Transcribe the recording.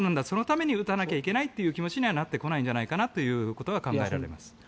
そのために打たなきゃいけないという気持ちにはなってこないんじゃないかなと考えられます。